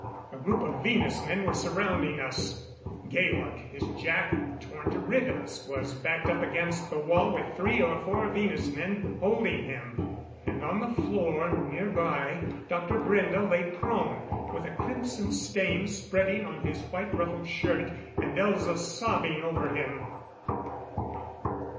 A group of Venus men were surrounding us. Georg, his jacket torn to ribbons, was backed up against the wall with three or four Venus men holding him. And on the floor nearby Dr. Brende lay prone, with a crimson stain spreading on his white ruffled shirt, and Elza sobbing over him.